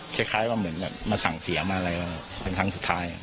คล้ายประมาณเหมือนอยากมาสั่งเสียมาถึงทางสุดท้าย